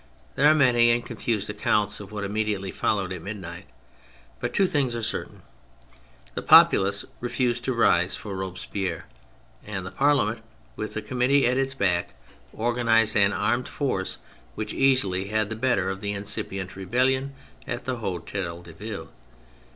There are many and confused accounts of what immediately followed at midnight, but two things are certain : the populace refused to rise for Robespierre, and the Parliament, with the Committee at its back, organised an armed force which easily had the better of the incipient rebellion at the Hotel de Ville.